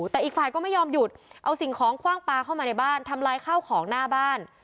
แต่อีกฝ่ายก็ไม่ยอมหยุดเอาสิ่งของคว่างปลาเข้ามาในบ้านทำลายข้าวของหน้าบ้าน